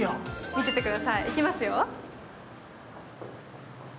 見ててください、いきますよ。